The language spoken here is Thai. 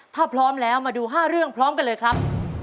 ถ้าพร้อมแล้วมาดู๕เรื่องพร้อมกันเลยครับ